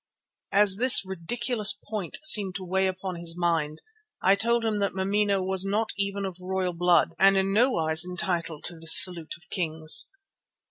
As this ridiculous point seemed to weigh upon his mind I told him that Mameena was not even of royal blood and in nowise entitled to the salute of kings.